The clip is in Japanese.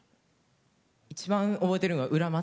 一番覚えてるのは「裏町」